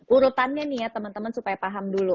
urutannya nih ya temen temen supaya paham dulu